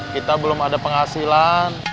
kita belum ada penghasilan